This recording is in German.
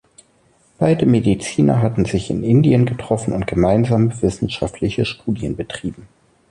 Beide Mediziner hatten sich in Indien getroffen und gemeinsame wissenschaftliche Studien betrieben.